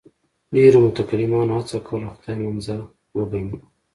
ډېرو متکلمانو هڅه کوله خدای منزه وګڼي.